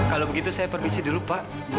kalau begitu saya permisi dulu pak